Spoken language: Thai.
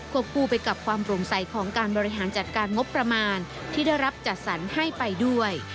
คู่ไปกับความโปร่งใสของการบริหารจัดการงบประมาณที่ได้รับจัดสรรให้ไปด้วย